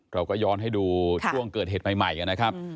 เราก็ย้อนให้ดูช่วงเกิดเหตุใหม่กันนะครับ